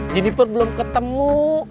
jennifer belum ketemu